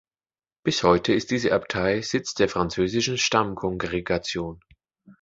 Bis heute ist diese Abtei Sitz der französischen Stamm-Kongregation.